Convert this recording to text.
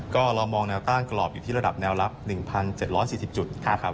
ก็เรามองแนวต้านกรอบอยู่ที่ระดับแนวรับ๑๗๔๐จุดนะครับ